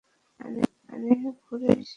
আরে ভুরে সিং, তুমি?